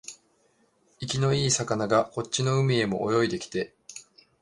生きのいい魚がこっちの海へも泳いできて、